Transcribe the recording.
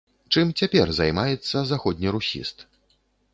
Чым цяпер займаецца заходнерусіст?